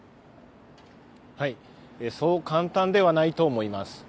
そう簡単ではないと思います。